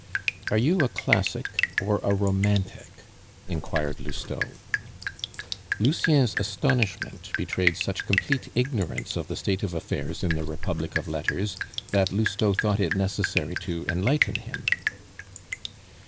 "Are you a 'Classic' or a 'Romantic'?" inquired Lousteau. Lucien's astonishment betrayed such complete ignorance of the state of affairs in the republic of letters, that Lousteau thought it necessary to enlighten him.